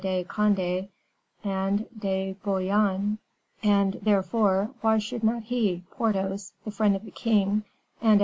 de Conde, and de Bouillon Turenne. And, therefore, why should not he, Porthos, the friend of the king, and of M.